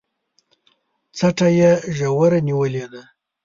څټه يې ژوره نيولې ده